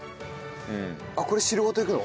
あっこれ汁ごといくの？